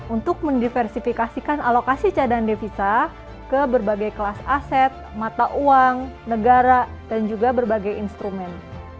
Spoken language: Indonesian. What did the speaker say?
untuk mendiversifikasikan alokasi cadangan devisa ke berbagai kelas aset mata uang negara dan juga berbagai instrumen